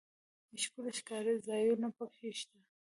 ښکلي ښکارځایونه پکښې شته.